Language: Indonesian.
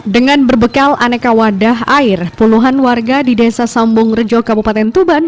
dengan berbekal aneka wadah air puluhan warga di desa sambung rejo kabupaten tuban